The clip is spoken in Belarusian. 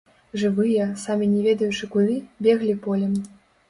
Жывыя, самі не ведаючы куды, беглі полем.